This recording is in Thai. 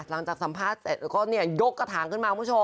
หลังจากสัมภาษณ์ก็ลดกระถางนั้น